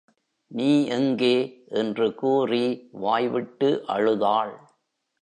நீ எங்கே? என்று கூறி வாய்விட்டு அழுதாள்.